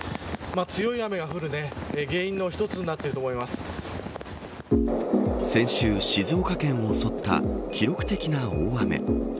強い雨が降る原因の一つに先週、静岡県を襲った記録的な大雨。